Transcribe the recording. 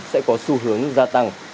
sẽ có xu hướng gia tăng